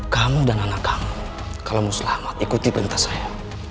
kamu dan anak kamu kalau mau selamat ikuti perintah saya